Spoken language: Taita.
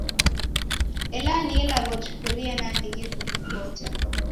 Ela ni ilagho jikurie nandighi kuvikota.